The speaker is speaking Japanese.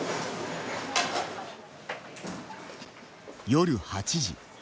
夜８時。